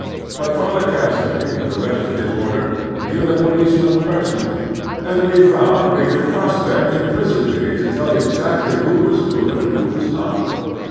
But Father Casseriy and the rest of his order knew the police men personally, and we f oimd we could trust them implicitly to tell exactly who was good and who was not.